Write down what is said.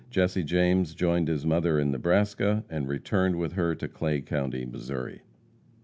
Jesse James joined his mother in Nebraska, and returned with her to Clay county, Missouri.